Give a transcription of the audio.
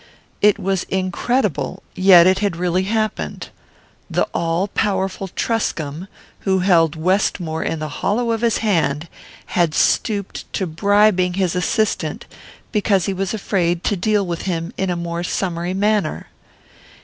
It was incredible, yet it had really happened: the all powerful Truscomb, who held Westmore in the hollow of his hand, had stooped to bribing his assistant because he was afraid to deal with him in a more summary manner.